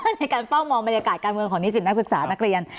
ในการเฝ้ามองบรรยากาศการเมืองของนิสิตนักศึกษานักเรียน